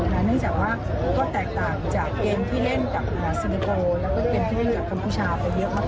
เนื่องจากว่าก็แตกต่างจากเกมที่เล่นกับมหาซินิโกแล้วก็เป็นที่เล่นกับกัมพูชาไปเยอะมาก